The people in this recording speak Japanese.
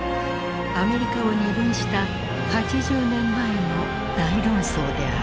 アメリカを二分した８０年前の大論争である。